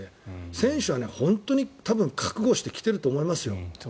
選手は本当に多分覚悟して来ていると思いますよ。